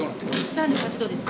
３８℃です！